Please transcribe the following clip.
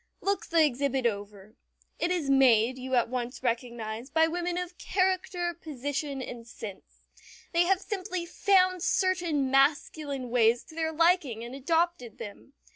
Look the exhibit over. It is made, you at once recognize, by women of character, position, and sense. They have simply found certain masculine ways to their liking and adopted them.